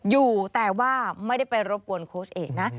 อยู่แต่ว่าไม่ได้ไปรบกวนโค้ชเอกนะ